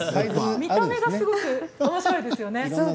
見た目がすごくおもしろいですよね。